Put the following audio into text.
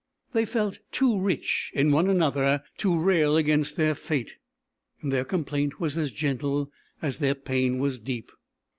They felt too rich in one another to rail against their fate, and their complaint was as gentle as their pain was deep.